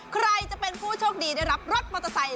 ใครจะเป็นผู้โชคดีได้รับรถมอเตอร์ไซค